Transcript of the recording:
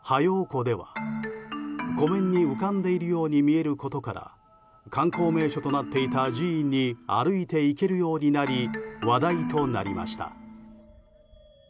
湖では湖面に浮かんでいるように見えることから観光名所となっていた寺院に歩いていけるようになり話題となりました。